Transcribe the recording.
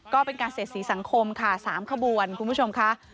ก็เป็นการเสียสีสังคมค่ะ๓ขบวนคุณผู้ชมค่ะ